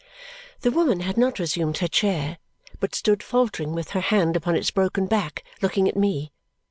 The woman had not resumed her chair, but stood faltering with her hand upon its broken back, looking at me.